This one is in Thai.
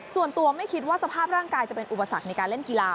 ส่วนตัวไม่คิดว่าสภาพร่างกายจะเป็นอุปสรรคในการเล่นกีฬา